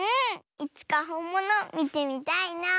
いつかほんものみてみたいなあ。